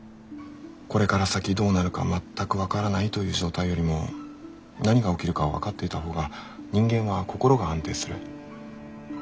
これから先どうなるか全く分からないという状態よりも何が起きるかが分かっていた方が人間は心が安定する。